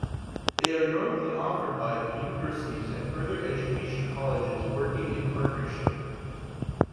They are normally offered by universities and further education colleges working in partnership.